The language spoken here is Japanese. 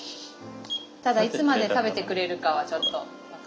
ただいつまで食べてくれるかはちょっと分からないです。